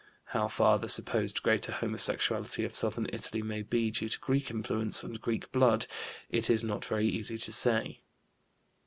How far the supposed greater homosexuality of southern Italy may be due to Greek influence and Greek blood it is not very easy to say.